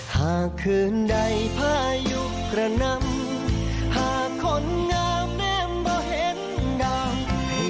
เป็นยังไงบ้างโอ้โฮ